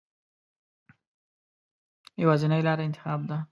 یوازینۍ لاره انتخابات دي.